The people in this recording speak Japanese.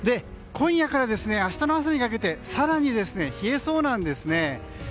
今夜から明日の朝にかけて更に冷えそうなんですね。